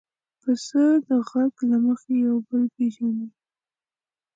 پسه د غږ له مخې یو بل پېژني.